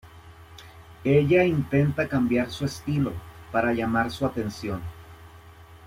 Ella intenta cambiar su estilo para llamar su atención.